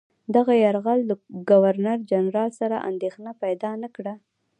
دغه یرغل ګورنرجنرال سره اندېښنه پیدا نه کړه.